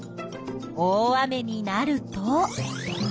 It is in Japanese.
大雨になると。